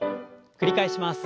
繰り返します。